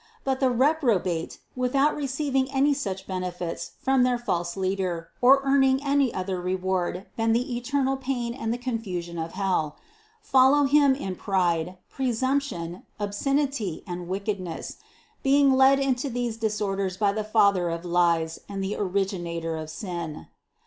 But the repro bate, without receiving any such benefits from their false leader, or earning any other reward than the eternal pain and the confusion of hell, follow him in pride, pre sumption, obscenity and wickedness, being led into these disorders by the father of lies and the originator of sin.